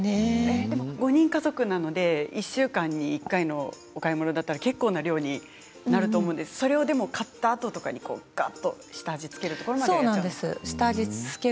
５人家族なので１週間に１回のお買い物だったら結構な量になると思うんですけれどそれを買ったあととかにがっと下味を付けるところまでやるんですね。